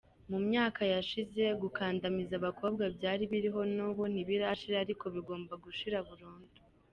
Mu myaka yashize gukandamiza abakobwa byari biriho n’ubu ntibirashira ariko bigomba gushira burundu.